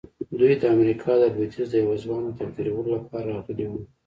دوی د امريکا د لويديځ د يوه ځوان د تقديرولو لپاره راغلي وو.